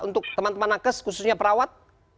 untuk teman teman nakes khususnya perawat